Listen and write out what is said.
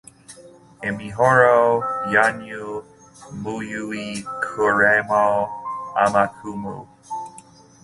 imihoro yanyu muyicuremo amacumu,